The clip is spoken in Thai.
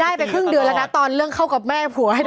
ได้ไปครึ่งเดือนแล้วนะตอนเรื่องเข้ากับแม่ผัวให้เธอ